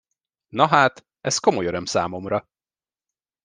Nahát, ez komoly öröm számomra!